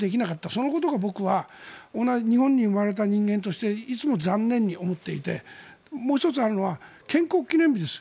そのことが僕は日本に生まれた人間として残念に思っていてもう１つあるのは建国記念日です。